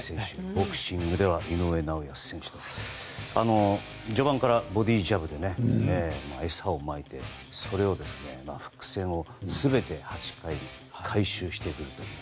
ボクシングでは井上尚弥選手と序盤からボディージャブで餌をまいて、それを伏線を全て８回、回収しているという。